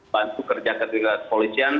bantu kerja kerja kepolisian